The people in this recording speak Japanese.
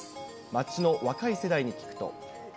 街の若い世代に聞くと。